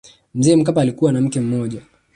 mzee mkapa alikuwa na mke mmoja